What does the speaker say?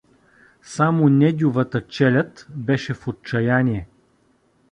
Само Недювата челяд беше в отчаяние.